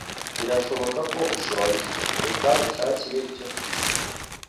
Birashoboka ko ushonje. Reka ngushakire icyo kurya.